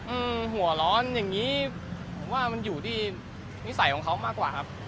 อืมหัวร้อนอย่างงี้อยู่ที่นิสัยของเขามากกว่า